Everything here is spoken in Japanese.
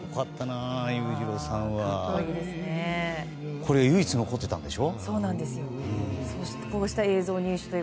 これ唯一残ってたんでしょ。